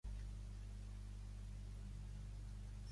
Seltzer s'hi va negar, ja que no tenia cap interès a escriure seqüeles.